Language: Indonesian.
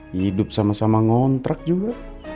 hidup sama sama ngontrak juga